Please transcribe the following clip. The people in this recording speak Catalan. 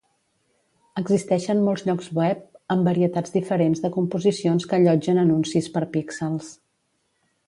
Existeixen molts llocs web amb varietats diferents de composicions que allotgen anuncis per píxels.